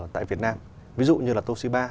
tại việt nam ví dụ như là toshiba